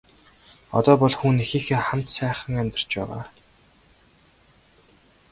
Одоо бол хүү нь эхийнхээ хамт сайхан амьдарч байгаа.